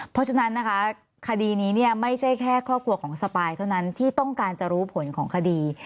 เพราะฉะนั้นนะคะคดีนี้เนี่ยไม่ใช่แค่ครอบครัวของสปายเท่านั้นที่ต้องการจะรู้ผลของคดี